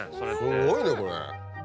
すんごいねこれ。